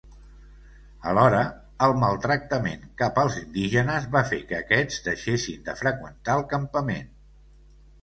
Alhora, el maltractament cap als indígenes va fer que aquests deixessin de freqüentar el campament.